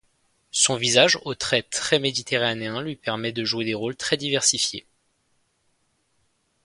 Son visage aux traits très méditerranéens lui permet de jouer des rôles très diversifiés.